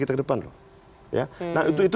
kita ke depan lho nah itu